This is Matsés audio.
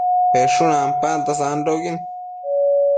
peshun ampambanta sandoquin